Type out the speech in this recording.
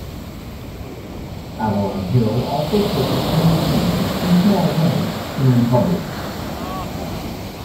Avalon Hill also purchased many games from smaller companies and republished them.